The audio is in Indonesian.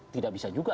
tidak bisa juga